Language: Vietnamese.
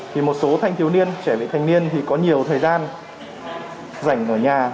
thì một số thanh thiếu niên trẻ vị thành niên thì có nhiều thời gian rảnh ở nhà